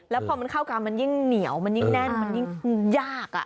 แล้วพอมันเข้ากันมันยิ่งเหนียวมันยิ่งแน่นมันยิ่งยาก